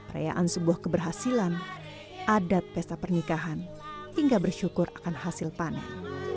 rayaan sebuah keberhasilan adat pesta pernikahan hingga bersyukur akan hasil panen